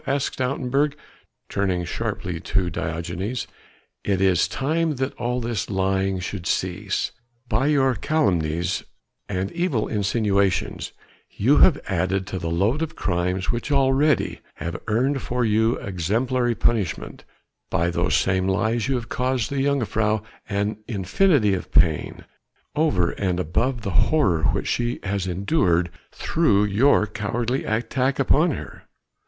asked Stoutenburg, turning sharply to Diogenes, "it is time that all this lying should cease. By your calumnies and evil insinuations you have added to the load of crimes which already have earned for you exemplary punishment; by those same lies you have caused the jongejuffrouw an infinity of pain, over and above the horror which she has endured through your cowardly attack upon her.